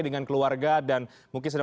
dengan keluarga dan mungkin sudah